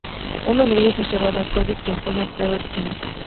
Uno de ellos es llevado a Cody, quien pone a prueba el químico.